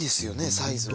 サイズは。